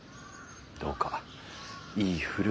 どうかいいふる